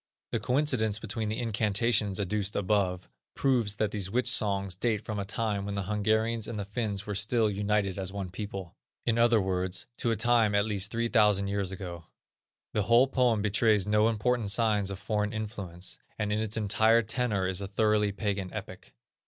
The coincidence between the incantations adduced above, proves that these witch songs date from a time when the Hungarians and the Finns were still united as one people; in other words, to a time at least 3000 years ago. The whole poem betrays no important signs of foreign influence, and in its entire tenor is a thoroughly pagan epic.